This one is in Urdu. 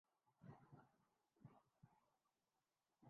یہ سفر صدیوں سے جاری ہے اور ابد تک جاری رہے گا۔